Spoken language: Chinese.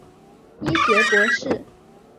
医学博士。